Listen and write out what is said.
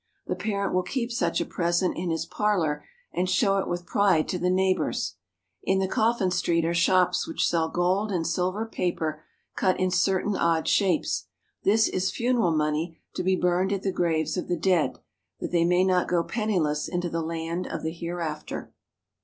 The parent will keep such a present in his parlor and show it with pride to the neigh bors. In the coffin street are shops which sell gold and silver paper cut in certain odd shapes. This is funeral money to be burned at the graves of the dead, that they may not go penniless into the land of the hereafter.